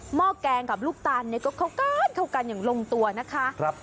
ห้อแกงกับลูกตาลเนี่ยก็เข้ากันเข้ากันอย่างลงตัวนะคะ